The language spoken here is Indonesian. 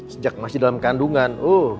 sejak masih dalam kandungan